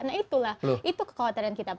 nah itulah itu kekhawatiran kita